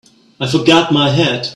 I forgot my hat.